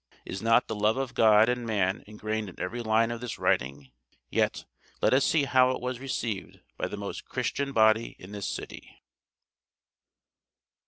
Is not the love of God and man ingrained in every line of this writing? Yet let us see how it was received by the most Christian (?) body in this city.